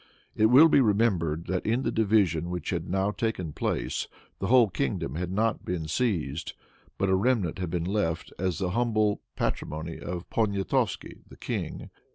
It will be remembered that in the division which had now taken place, the whole kingdom had not been seized, but a remnant had been left as the humble patrimony of Poniatowski, the king.